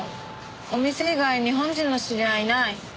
お店以外日本人の知り合いいない。